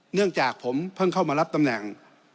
เนื่องจากผมเพิ่งเข้ามารับตำแหน่ง